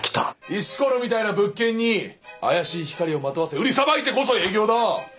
石ころみたいな物件に怪しい光をまとわせ売りさばいてこそ営業だ！